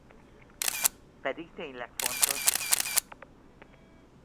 Pedig tényleg fontos.